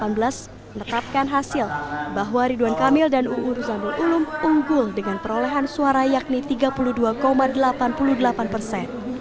menetapkan hasil bahwa ridwan kamil dan uu ruzanul ulum unggul dengan perolehan suara yakni tiga puluh dua delapan puluh delapan persen